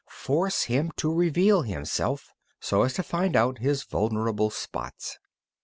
Force him to reveal himself, so as to find out his vulnerable spots.